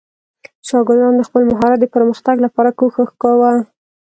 شاګردانو د خپل مهارت د پرمختګ لپاره کوښښ کاوه.